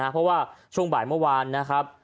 เพราะว่าช่วงบ่ายเมื่อวานนะครับ